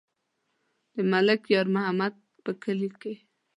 د ملک یار محمد په کلي کې.